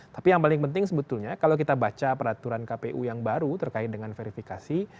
tapi yang paling penting sebetulnya kalau kita baca peraturan kpu yang baru terkait dengan verifikasi